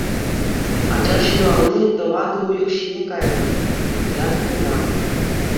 Ача ҫурални тӑватӑ уйӑх ҫине кайрӗ, ят хуман.